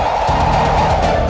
aku akan menikah denganmu